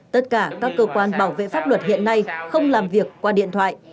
tất cả các cơ quan bảo vệ pháp luật hiện nay không làm việc qua điện thoại